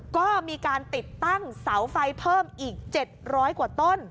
ก็มีการติดตั้งเสาไฟเพิ่มอีก๗๐๐กว่าต้น